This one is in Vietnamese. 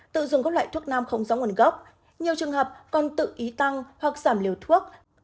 tự dùng các loại thuốc nam không rõ nguồn gốc nhiều trường hợp còn tự ý tăng hoặc giảm liều thuốc